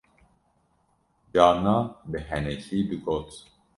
carna bi henekî digot